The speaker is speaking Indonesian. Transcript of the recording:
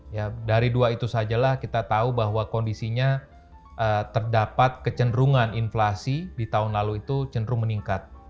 ya dari dua itu sajalah kita tahu bahwa kondisinya terdapat kecenderungan inflasi di tahun lalu itu cenderung meningkat